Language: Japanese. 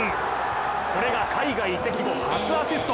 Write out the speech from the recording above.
これが海外移籍後初アシスト。